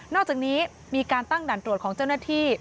อกจากนี้มีการตั้งด่านตรวจของเจ้าหน้าที่